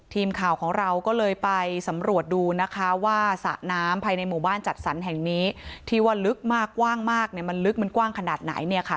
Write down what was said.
ทีมข่าวของเราก็เลยไปสำรวจดูนะคะว่าสระน้ำภายในหมู่บ้านจัดสรรแห่งนี้ที่ว่าลึกมากกว้างมากเนี่ยมันลึกมันกว้างขนาดไหนเนี่ยค่ะ